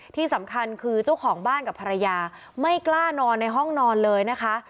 ที่สำคัญคือเจ้าของบ้านกับภรรยาไม่กล้านอนในห้องนอนเลยนะคะ